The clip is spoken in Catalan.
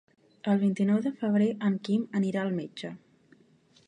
El vint-i-nou de febrer en Quim anirà al metge.